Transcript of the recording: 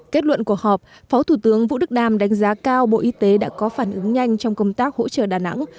kết luận cuộc họp phó thủ tướng vũ đức đam đánh giá cao bộ y tế đã có phản ứng nhanh trong công tác hỗ trợ đà nẵng